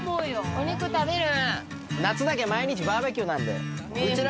・お肉食べる。